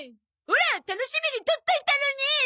オラ楽しみにとっといたのに！